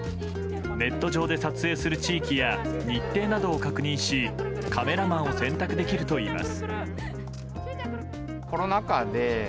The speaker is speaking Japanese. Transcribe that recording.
ネット上で撮影する地域や日程などを確認しカメラマンを選択できるといいます。